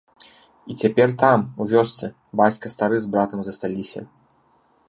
І цяпер там, у вёсцы, бацька стары з братам засталіся.